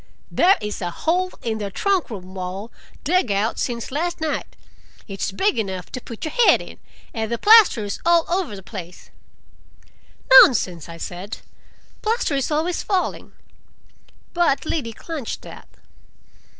"There is a hole in the trunk room wall, dug out since last night. It's big enough to put your head in, and the plaster's all over the place." "Nonsense!" I said. "Plaster is always falling." But Liddy clenched that.